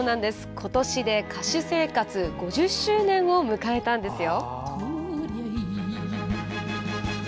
今年で歌手生活５０周年を迎えたんですよ。